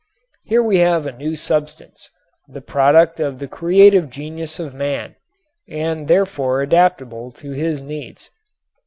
Here we have a new substance, the product of the creative genius of man, and therefore adaptable to his needs.